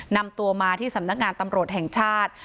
นำตัวมาที่สำนักงานตำรวจแห่งชาติ